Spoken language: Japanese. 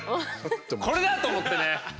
これだと思ってね。